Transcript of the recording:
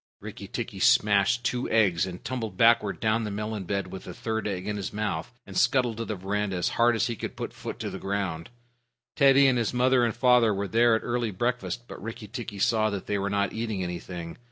Rikki tikki smashed two eggs, and tumbled backward down the melon bed with the third egg in his mouth, and scuttled to the veranda as hard as he could put foot to the ground. Teddy and his mother and father were there at early breakfast, but Rikki tikki saw that they were not eating anything.